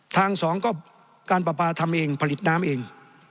สองก็การประปาทำเองผลิตน้ำเอง